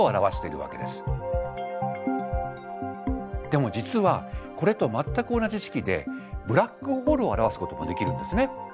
でも実はこれと全く同じ式でブラックホールを表すこともできるんですね。